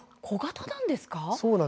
小型なんですか？